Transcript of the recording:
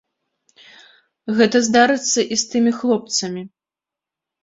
Гэта здарыцца і з тымі хлопцамі.